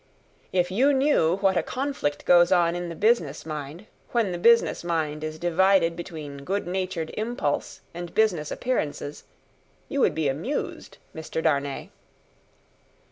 "If you knew what a conflict goes on in the business mind, when the business mind is divided between good natured impulse and business appearances, you would be amused, Mr. Darnay."